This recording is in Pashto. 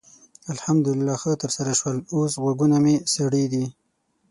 الحمدلله ښه ترسره شول؛ اوس غوږونه مې سړې دي.